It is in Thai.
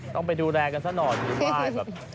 ต้องไปดูแลกันซะหน่อย